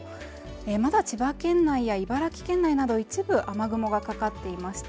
まだ千葉県内や茨城県内など一部雨雲がかかっていまして、